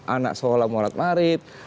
anak seolah murad marid